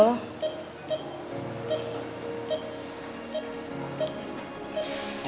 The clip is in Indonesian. lalu ke storms ya